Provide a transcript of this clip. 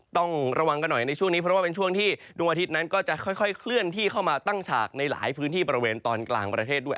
ต้องระวังกันหน่อยในช่วงนี้เพราะว่าเป็นช่วงที่ดวงอาทิตย์นั้นก็จะค่อยเคลื่อนที่เข้ามาตั้งฉากในหลายพื้นที่บริเวณตอนกลางประเทศด้วย